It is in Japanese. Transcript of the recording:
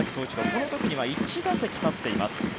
この時には１打席立っています。